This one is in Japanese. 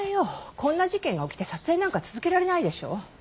こんな事件が起きて撮影なんか続けられないでしょ。